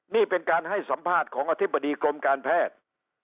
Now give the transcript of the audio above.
นี่เป็นการให้สัมภาษณ์ของอธิบดีกรมการแพทย์